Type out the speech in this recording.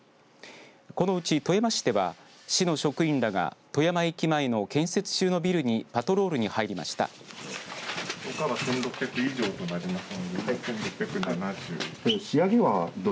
このうち富山市では市の職員らが富山駅前の建設中のビルにパトロールに入りました。